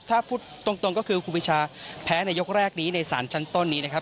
ถ้าพูดตรงก็คือครูปีชาแพ้ในยกแรกนี้ในศาลชั้นต้นนี้นะครับ